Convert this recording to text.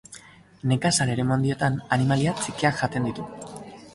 Nekazal eremu handietan animalia txikiak jaten ditu.